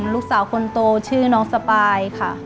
ลูกสาวคนโตชื่อน้องสปายค่ะ